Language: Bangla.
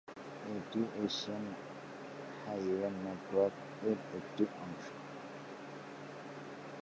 এটি এশিয়ান হাইওয়ে নেটওয়ার্ক -এর একটি অংশ।